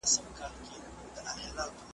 منور ليکوال هيلې لري.